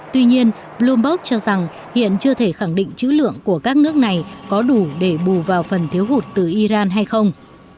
tuy nhiên bloomberg cho rằng hiện chưa thể khẳng định chữ lượng của các nước này có đủ để bù vào phần thiếu hụt từ iran hay không